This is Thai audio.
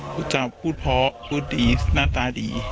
พูดจะพูดเพราะพูดดีหน้าตาดี